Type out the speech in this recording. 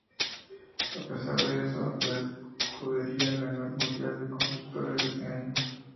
A pesar de eso, la escudería ganó el mundial de constructores de ese año.